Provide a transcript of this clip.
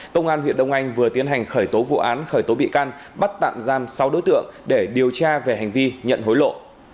công an huyện đông anh vừa tiến hành khởi tố vụ án khởi tố bị can bắt tạm giam sáu đối tượng để điều tra về hành vi nhận hối lộ